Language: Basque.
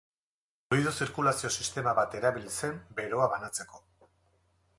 Fluido zirkulazio sistema bat erabili zen beroa banatzeko.